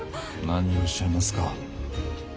何をおっしゃいますか。